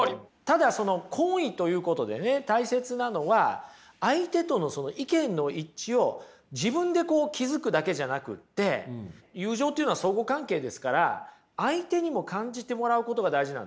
ただその好意ということでね大切なのは相手との意見の一致を自分で気付くだけじゃなくって友情っていうのは相互関係ですから相手にも感じてもらうことが大事なんですよ。